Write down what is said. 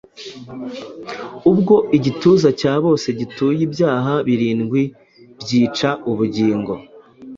Ibyo igituza cya bose gituye Ibyaha birindwi byica ubugingo.